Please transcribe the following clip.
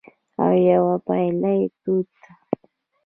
او یوه پیاله توت